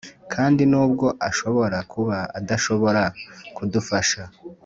kandi nubwo ashobora kuba adashobora kudufasha,